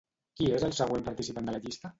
Qui és el següent participant de la llista?